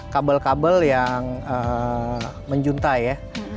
kabel kabel yang menjuntai ya